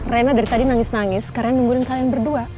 rena dari tadi nangis nangis karena nungguin kalian berdua